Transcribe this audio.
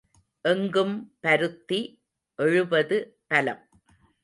எங்கும் பருத்தி எழுபது பலம்.